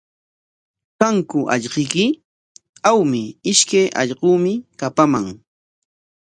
¿Kanku allquyki? Awmi, ishkay allquumi kapaman.